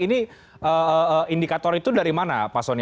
ini indikator itu dari mana pak soni